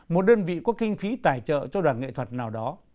một đơn vị có kinh phí tài trợ cho đoàn nghệ thuật nào đó